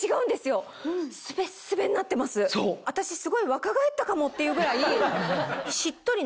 私すごい若返ったかもっていうぐらい。